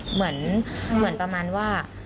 เหมือนประมาณว่า